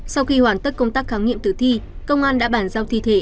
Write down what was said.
sau khi hoàn tất công tác khám nghiệm tử thi công an đã bản giao thi thể